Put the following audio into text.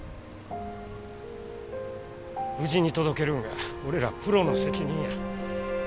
無事に届けるんが俺らプロの責任や。